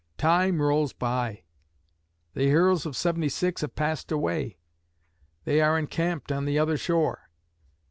Time rolls by. The heroes of '76 have passed away. They are encamped on the other shore.